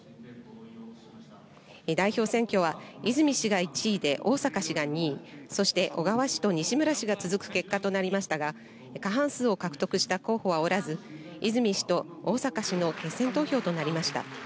代表選挙は、泉氏が１位で逢坂氏が２位、そして、小川氏と西村氏が続く結果となりましたが、過半数を獲得した候補はおらず、泉氏と逢坂氏の決選投票となりました。